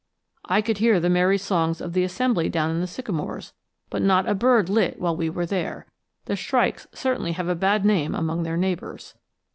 I could hear the merry songs of the assembly down in the sycamores, but not a bird lit while we were there the shrikes certainly have a bad name among their neighbors.